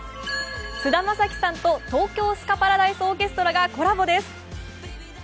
菅田将暉さんと東京スカパラダイスオーケストラがコラボです